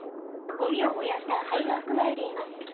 ゴミを燃やした灰がふくまれています。